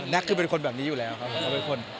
แน็คคือเป็นคนแบบนี้อยู่แล้วครับ